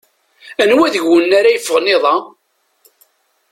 Anwa deg-wen ara yeffɣen iḍ-a?